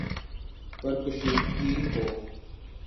پر کشیدگی ہو،